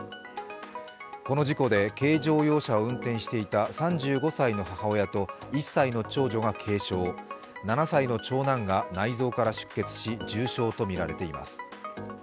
この事故で軽乗用車を運転していた３５歳の母親と１歳の長女が軽傷、７歳の長男が内臓から出血し重傷とみられています。